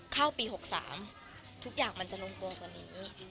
เข้าปี๖๓ทุกอย่างมันจะลงตัวกว่านี้